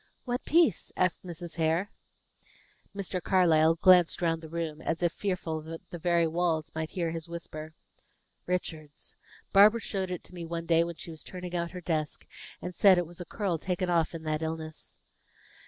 "What piece?" asked Mrs. Hare. Mr. Carlyle glanced round the room, as if fearful the very walls might hear his whisper. "Richard's. Barbara showed it me one day when she was turning out her desk, and said it was a curl taken off in that illness."